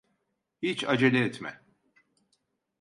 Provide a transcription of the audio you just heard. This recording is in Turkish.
Hiç acele etme.